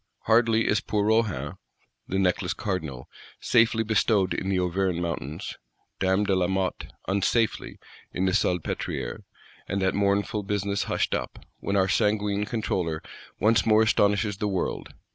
Hardly is poor Rohan, the Necklace Cardinal, safely bestowed in the Auvergne Mountains, Dame de Lamotte (unsafely) in the Salpêtrière, and that mournful business hushed up, when our sanguine Controller once more astonishes the world.